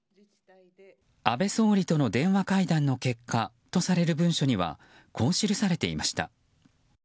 安倍総理との電話会談の結果とされる文書にはこう記されていました。